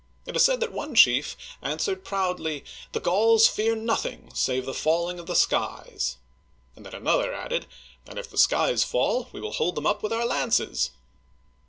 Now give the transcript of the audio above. It is said that one chief answered proudly, " The Gauls fear nothing, save the fall ing of the skies !" and that another added, " And if the skies fall, we will hold them up with our lances."